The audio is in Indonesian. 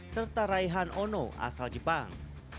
serta raihan ono asal jepang